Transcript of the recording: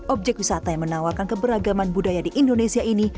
objek wisata yang menawarkan keberagaman budaya di indonesia ini